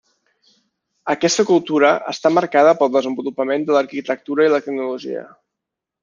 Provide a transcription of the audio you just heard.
Aquesta cultura està marcada pel desenvolupament de l'arquitectura i la tecnologia.